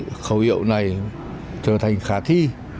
và nếu mà cái khẩu hiệu này trở thành khả thi